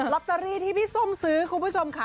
ลอตเตอรี่ที่พี่ส้มซื้อคุณผู้ชมค่ะ